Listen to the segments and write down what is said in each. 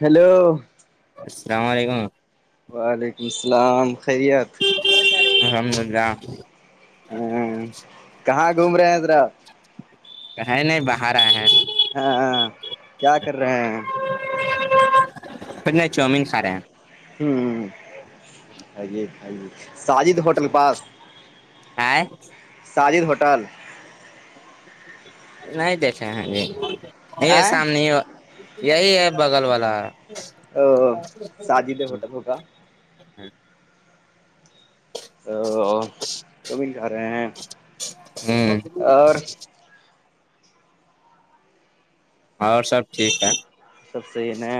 hello السلام علیکم وعلیکم السلام خیریت الحمد اللہ ہ کہاں گھوم رہے حضرات کہیں نہیں باہر آئے ہے ہاں ہاں کیا کر رہے ہیں پ نہیں چاؤومین کھا رہے ہیں ہ ساجد ہوٹل پاس ہاں ساجد ہوٹل نہیں دیکھے ہ جی یہ آئیں سامنے یہی ہے بغل والا او سج د ہوٹ ہوگا ا جو مل جا رہے ہیں ہوں اور اور سب ٹھیک ہے سب صحیح ہے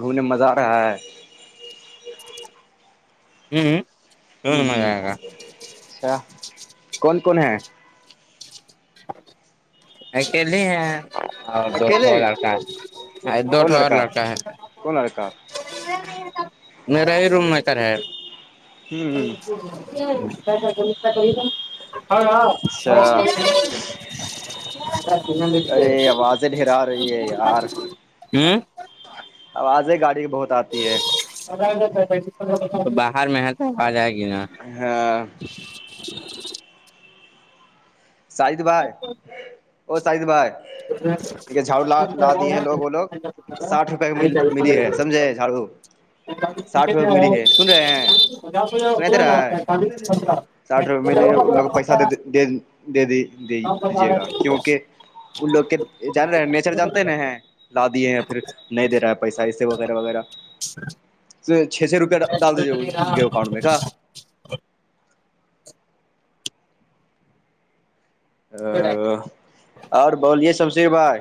گھومنے میں مزہ آ رہا ہے جی ہ اچھا کون کون ہیں اکیلے ہیں اور اکیلے دوھو لڑکا ہے دوٹھو اور لڑکا ہے کون آیا تھا میرا ہی روم میںتر ہے ہوں کیا کیا ہاں ہاں اچھا ارے آوازیں ڈھرا رہی ہے یار ہمم آوازیں گاڑی کی بہت آتی ہے باہر میں ہے تو آ جائے گی نا ہاں [unintelligible] شاہد بھائی او شاہد بھائی نا دیک جھاڑو ل لا دیے لوگ وہ لوگ ساھ روپئے ڈھائی چالیس ملی پندرہ ہے روپئے سمجھے جھاڑو ساٹھ ر ملی ہے سن رہے ہیں پچاس ہزار سنا دے پورا نا رہا ہے پینتالیس پندرہ ساٹھ روپئے ملے ان لوگ کو پیسا دے دی دے دیجیے گا کیوںکہ ان لوگ کے جان رہے ہیں نیچر جانتے نا ہیں لا دیے یا پھر نہیں دے رہا ہے پیسہ ایسے وغیرہ وغیرہ چھ چھ روپیہ ڈال دیجیے کے اکاؤنٹ میں کا ا اور بلیے شمشیر بھائی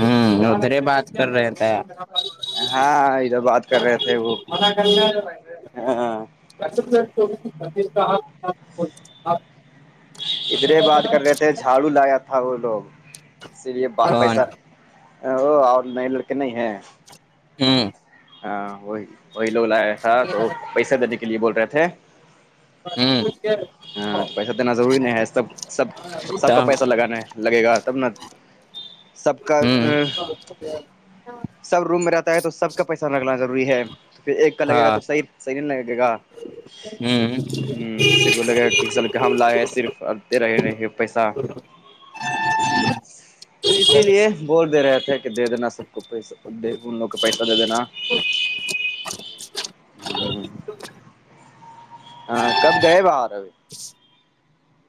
ہوں ادھر ہی بات کر رہے تھے ہاں ادھر بات کر رہے تھے وہ ہاں بیس آپ ادھرے بات کر رہے تھے جھاڑو لایا تھا وہ لوگ اسی لیے پیسہ ہوں اور نئی لڑکے نہیں ہے ہاں ہاں وہی وہی لوگ لایا تھا ہوں تو پیسہ دینے کے لیے بول رہے تھے ہاں تو پیسہ دینا ضروری نہیں ہے سب سب سب کا تب پیسہ لگانا ہے لگے گا تب نا سب کا ہوں [inaudible] سب روم میں رہتا ہے تو سب کا پیسہ لگنا ضروری ہے تو پھر ایک کا لگے گا ہاں تو صحیح صحیح نہیں لگے گا ہوں کسی ہم لایے صرف اتے رہے نہیں پیسہ تو اسی لیے بول دے رہے تھے کہ دے دینا سب کو پیسہ ان لوگ کو پیسہ دے دینا ہ ہاں کب گئے باہر اب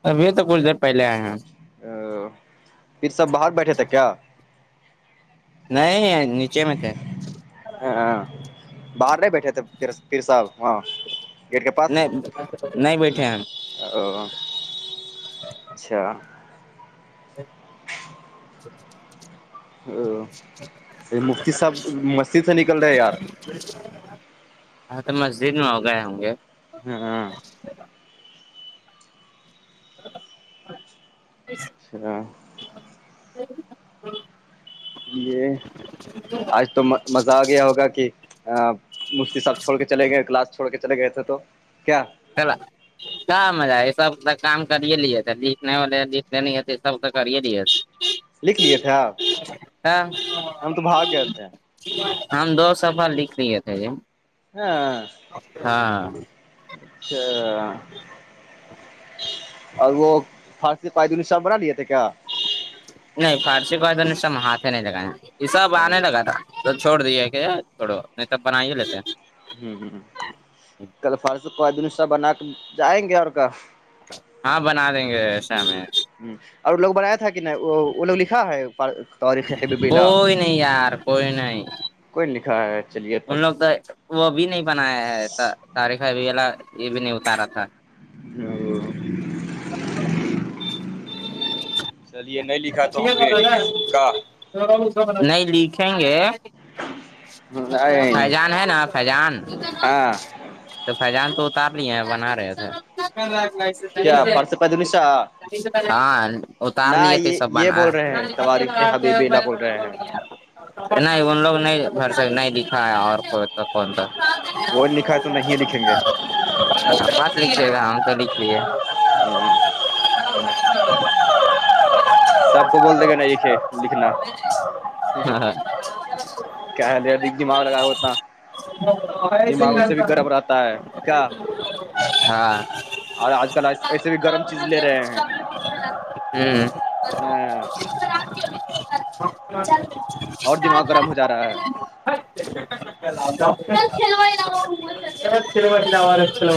ابھی تو کچھ دیر پہلے آئے ہیں پھر سب باہر بیٹھے تھے کیا نہیں نیچے میں تھے ہاں باہر نہیں بیٹھے تھے پھر سب وہاں گیٹ کے پاس نہیں نہیں بیٹھے ہم او اچھا [inaudible] چ مفتی صاحب مسجد سے نکل رہے یار ہاں تو مسجد میں ہو گئے ہوں گے ہاں [inaudible] [inaudible] [inaudible] [inaudible] یہ آج تو مزہ آیا ہوگا کہ مفتی صاحب چھوڑ کے چلے گئے کلاس چھوڑ کے چلے گئے تھے تو کیا [inaudible] کہاں مزہ ہے سب سے کام کری لیے نہیں ہو [inaudible] نہیں سب تو کر لیے لکھ لیے تھے آپ ہم تو بھاگ گئے تھے ہم دو سفا لکھ لیے تھے یہ ہاں اچھا اور وہ فارسی قائدین سب بنا لیے تھے کیا نہیں فارسی کو تو ہم ہاتھ نہیں لگائے یہ سب آنے لگا تھا تو چھوڑ دییے کہ چوڑو نہیں تب بنا ہی لیتے کل فرسو کوہ بنا کے جائیں گے اور کا ہاں بنا دیں گے ایسے ہم میں اور لوگ بنایا تھا کہ نہیں وہ لوگ لکھا ہے تاریخ حبیب اللہ کوئی نہیں یار کوئی نہیں کوئی لکھا ہے چلیے ان تب لوگ تو وہ بھی نہیں بنایا ہے تاریخ اب والا یہ بھی نہیں اتارا تھا [inaudible] چلیے نہیں لکھا تو ہم بھی نہیں لکھیں گے کا نہیں لکھیں گے نہیں فیضان ہے نا فیضان ہاں تو فیضان تو اتارنے ہیں بنا رہے تھے کیا پرس پیدمیشا ہاں اتار لیے تھے سب یہ بنا بول رہے ہیں تواریخ حبیب اللہ بول رہے ہیں نہیں ان لوگ نہیں بھر سک نہیں دکھا ہے اور کو کون س وہ لکھا ہے تو نہیں لکھیں گے اچ بات لے گا تو لی ہے سب کو بول دے گا نہیں لکھے لکھنا ہوں ہ کیا ہے دے د دماغ لگا اتنا دماغ ویے بھی گرم رہتا ہے کیا ہاں اور آج کل ایسے بھی گرم چیز لے رہے ہیں ہوں ہوں نہیں اور دماغ گرم ہو جا رہا ہے سلوٹ لواا سل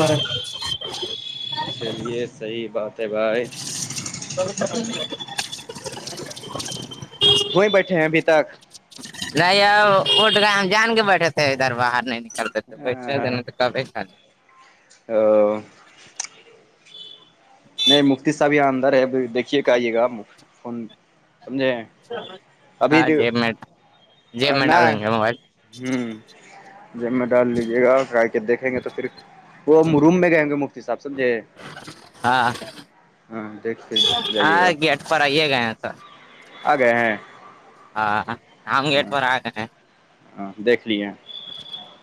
چلیے صحیح بات ہے بھائی توڑ ت وہیں بیٹھے ہیں ابھی تک نہیں اٹ گ ہم جان کے بیٹھے تھ ادھر باہر نہیں نکلتے بس ن تو کب خ ہ نہیں مفتی صاحب یہاں اندر ہے دیکھیے کہ آئیے گا آپ فون سمجھے ابھی ہاں جیب میں جیب میں نہ ڈالیں گے موبائل ہوں جب میں ڈال لیجیے گا اور گا کے دیکھیں گے تو پھر وہ مروم میں گئےیں گے مفتی صسحب سمجھے ہاں ہاں دیکھتے جائیے ہاں گا گیٹ پر آئیے گئے س آ گئے ہیں ہاں ہمام گیٹ پرور آگ ہے ہاں دیک لیے [inaudible]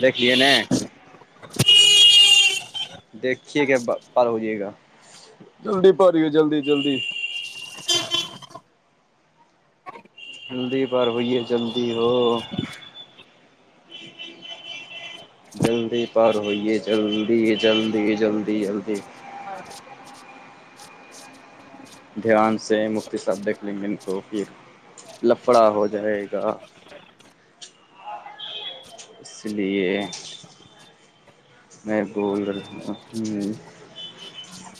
دیکھ لیے نا [unintelligible] دیکھیے گ پر ہوجے گا جلدی پ جلدی جلدی ہلدی پار ہوئیے جلدی ہو جلد پار ہوئیے جلدی جلدی جلدی جلدی ہاں دھیان سے مختصدق لنگن کو پھر لفڑا ہو جائے گا اس لیے میں بول کر ہ س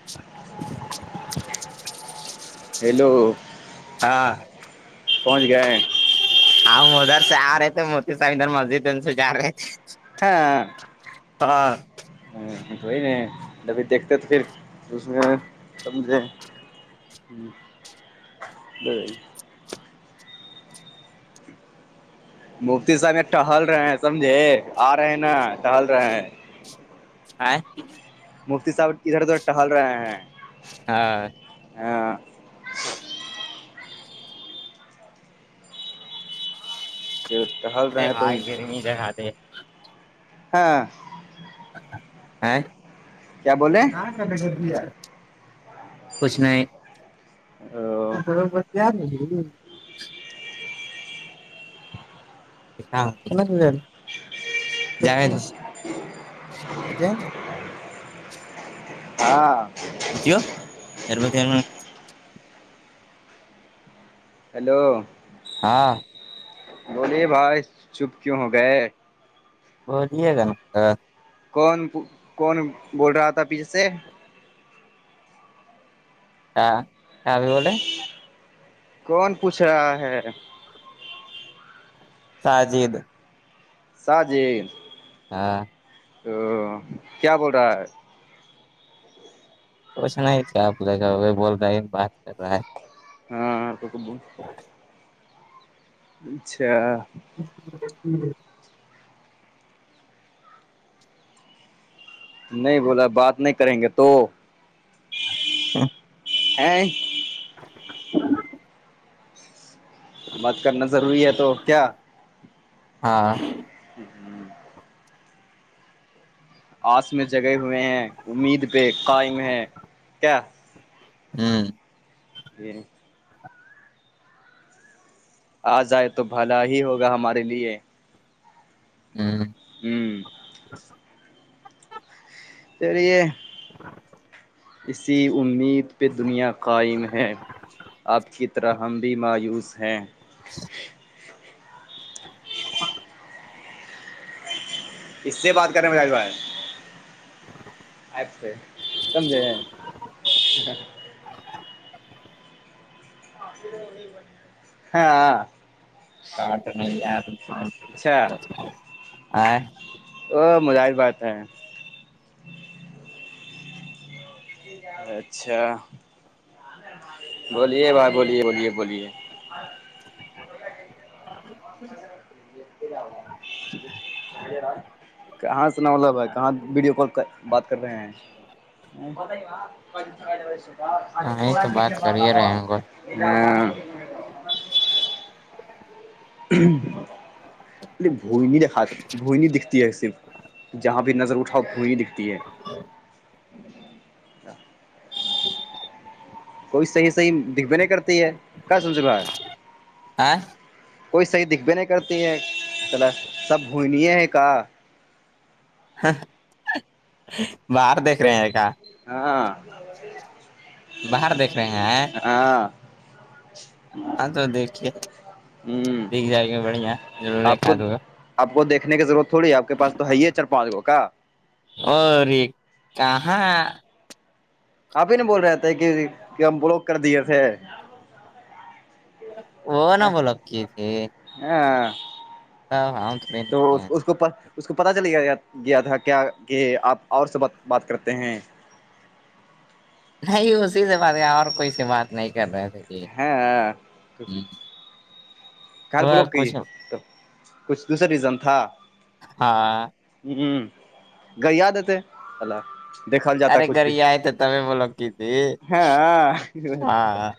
[inaudible] [inaudible] ہیلو ہاں پہنچ گئے ہاں ادھر سے آ رہے تھے موتی صاب ادھر مسجد ان سے جا رہے تھے ہاں ہ ہ توی نہیں جبھی دیکھتے تو پھر اس میں سمجھے ہ نہیں مفتی صاحب یہ ٹہل رہے ہیں سمجھے آ رہے ہیں نا ٹہل رہے ہیں آ [inaudible] مفتی صاحب ادھر ادھر ٹہل رہے ہیں ہاں ہاں ج [inaudible] ارے بھائی گرمی جگاات ہاں ہ [inaudible] کیا بولے کر یار کچھ نہیں ا [inaudible] تو براببر تیار ہو ہاںنا ہاں بسیو ہیلو ہاں بولیے بھائی چپ کیوں ہو گئے بولیے گا نا کون کون بول رہا تھا پیچھے سے کیا کیا ابھی بولے کون پوچھ رہا ہے ساجد ساجل ہاں تو کیا بول رہا ہے پوچنا ہی کیا آپ لے جاؤے بول رہے ہیں بات کر رہا ہے ہاں آ تو کب ہ [inaudible] اچھا جی نہیں بولا بات نہیں کریں گے تو ہ [inaudible] ا [inaudible] ہ [inaudible] مت کرنا ضروری ہے تو کیا ہاں ہ ہ آس میں جگے ہوئے ہیں امید پہ قائم ہیں کیا ہوں جین آ جائے تو بھلا ہی ہوگا ہمارے لیے ا ہوں سریے ہ اسی امید پہ دنیا قائم ہے آپ کی طرح ہم بھی مایوس ہیں چ اس سے بات کریں میںج جو ہے اپ سمجے ہاں کٹ نہیں آ اچھا وہ مزااہ بات ہے اچھا بولیے بائی بولیے بولیے بولیے [inaudible] کہاں سنا وال بائی کہاں ویڈیو کال بات کر رہے ہیں ہمیں تو بات کر ہی رہے ہیں ہاں [inaudible] بھوئی نہیں دکھاتا بھوئی نہیں دکھتی ہے صرف جہاں بھی نظر اٹھاؤ کھوئی ہی دکھتی ہے کوئی صحیح صحیح دکھبے نہیں کرتی ہے کیا سمجھ با ہے آئ کوئی صحیح دکھبے نہیں کرتی ہے چلا سب بھنیے ہیں کہ باہر دیکھ رہے ہیں کہ ہاں باہر دیکھ رہے ہیں آ ہاں ہاں تو دیکھیے ہوں دکھ جائے گی بڑھیا ضرور آپ ایکا کو دگا آپ کو دیکھنے کی ضرورت تھوڑی ہے آپ پاس تو ہے ہی ہے چار پانچ گو کا اورے کہاں آپ ہی نہیں بول رہے تھے کہ ہم بولو کر دیے تھ وہ نہ بلاک کیے ہاں ا تو اس کو اس کو پتہ چل گیایا گیا تھا کیا کہ آپ اور سے ب بات کرتے ہیں نہیں اسی سے بات اور کوئی سی بات نہیں کر رہے تھے یہ ہاں جی گھر وہ بلاوک کیی کچھ کچھ دوسرا ریزن تھا ہاں گریادتے اللہ دیکھل جاتا ارے کچھ بھی گری آئے تو تبھی وہ لوگ کی تھی ہ ہاں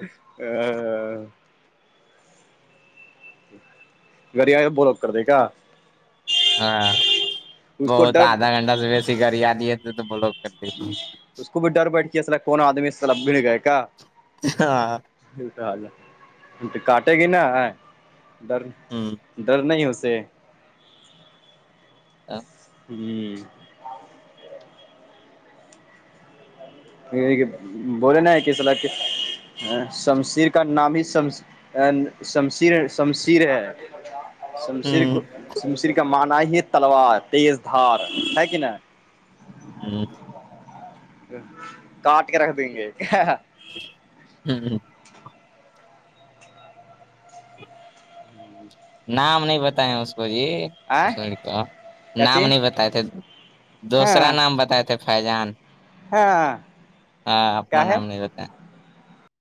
گڑ آئے بلاوک کرتے کا ہاں اس وہ کو تو ڈر آدھا گھنٹہ سے ویسے گڑ آ دیے تھے تو وہ لوگ کر دی تو اس کو بھی ڈر بیٹھ کے اس کون آدمی سلب بھی نہیں گئے کا ہاں حال کاٹے گی نا ڈر ہوں ڈر نہیں اسے ہ جی بولے نا کسلاح شمشیر کا نام ہی شم شمشیر شمشیر ہے شمشیر کو ہ مصری کا مانا ہی ہے تلوار تیز دھار ہے کہ جی کاٹ کے رکھ دیں گے ہوں نام نہیں بتائے اس کو جی ا کیا چی نام نہیں بتائے تھے دوسرا ہاں نام بتائے تھے فیضان ہاں ہاں اپنا کیا ہے نام نہیں ہوتا ہے